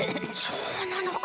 そうなのか！